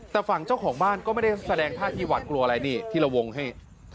แต่ฝั่งเจ้าของบ้านก็ไม่ได้แสดงท่าที่หวัดกลัวอะไรนี่ที่เราวงให้